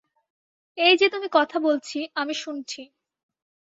এই যে তুমি কথা বলছি, আমি শুনছি।